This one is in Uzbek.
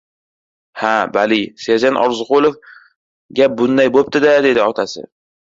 — Ha, bali, serjant Orziqulov, gap bunday bo‘pti-da! — dedi otasi.